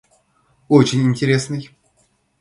Очень интересный.